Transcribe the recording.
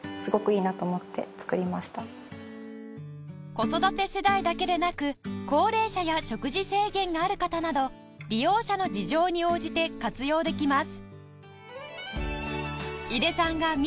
子育て世代だけでなく高齢者や食事制限がある方など利用者の事情に応じて活用できます